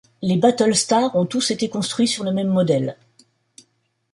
Les Battlestars ont tous été construits sur le même modèle.